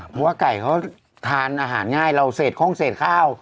ผมว่าไก่เขาทานอาหารง่ายเราแล้วเข้า